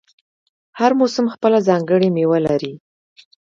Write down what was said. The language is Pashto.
هر موسم خپله ځانګړې میوه لري.